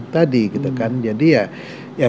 tadi gitu kan jadi ya yang